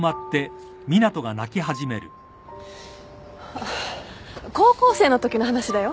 あっ高校生のときの話だよ。